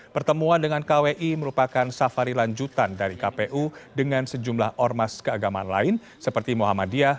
pertemuan dengan kwi merupakan safari lanjutan dari kpu dengan sejumlah ormas keagamaan lain seperti muhammadiyah